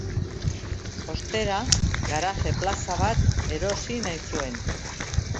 Ostera, garaje plaza bat erosi nahi zuen.